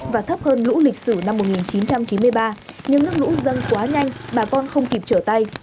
và thấp hơn lũ lịch sử năm một nghìn chín trăm chín mươi ba nhưng nước lũ dâng quá nhanh bà con không kịp trở tay